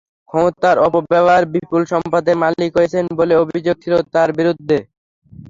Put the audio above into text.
ক্ষমতার অপব্যবহার বিপুল সম্পদের মালিক হয়েছেন বলে অভিযোগ ছিল তাঁর বিরুদ্ধে।